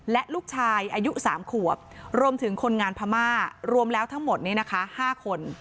และลูกชายอายุ๓ขวบรวมถึงคนงานพม่ารวมแล้วทั้งหมดนี้นะคะ๕คน